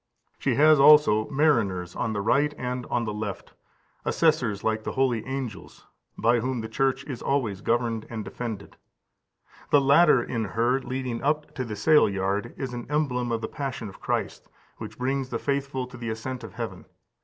She has also mariners on the right and on the left, assessors like the holy angels, by whom the Church is always governed and defended. The ladder in her leading up to the sailyard is an emblem of the passion of Christ, which brings the faithful to the ascent of heaven.